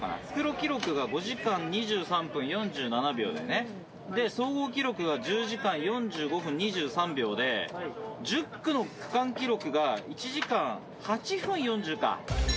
復路記録が５時間２３分４７秒だよね、総合記録が１０時間４５分２３秒で、１０区の区間記録が１時間８分４０か。